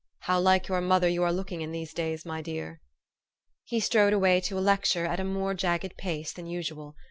How like your mother you are looking in these days, my dear !" He strode away to lecture at a more jagged pace than usual.